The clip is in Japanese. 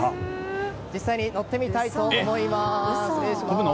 実際に乗ってみたいと思います。